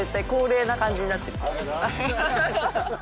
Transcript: ハハハ